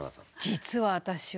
実は私は。